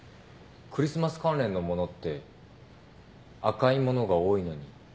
クリスマス関連の物って赤い物が多いのに。